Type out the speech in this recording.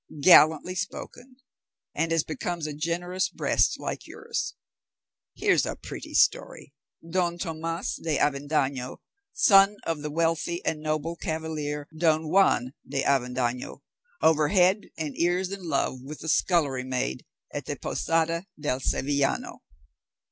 "Gallantly spoken, and as becomes a generous breast like yours! Here's a pretty story! Don Tomas de Avendaño, son of the wealthy and noble cavalier, Don Juan de Avendaño, over head and ears in love with the scullery maid at the Posada del Sevillano!"